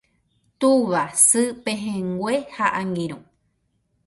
tuva, sy, pehẽngue ha angirũ